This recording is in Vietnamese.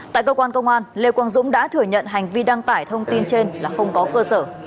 tại cơ quan công an lê quang dũng đã thừa nhận hành vi đăng tải thông tin trên là không có cơ sở